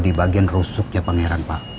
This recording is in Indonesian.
di bagian rusuknya pangeran pak